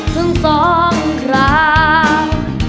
ทั้งสองคราว